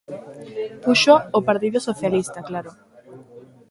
Púxoa o Partido Socialista, claro.